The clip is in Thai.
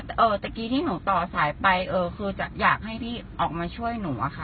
แต่เมื่อกี้ที่หนูต่อสายไปเออคือจะอยากให้พี่ออกมาช่วยหนูอะค่ะ